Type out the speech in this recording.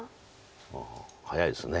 ああ早いですね。